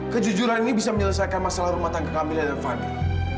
kejujuran ini bisa menyelesaikan masalah rumah tangga kamil dan fadli